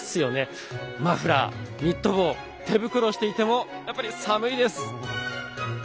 マフラーニット帽手袋していてもやっぱり寒いです！